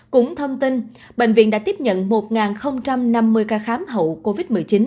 cũng thông tin bệnh viện đã tiếp nhận một năm mươi ca khám hậu covid một mươi chín